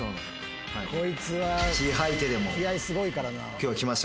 今日は来ました